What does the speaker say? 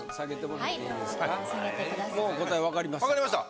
もう答え分かりました？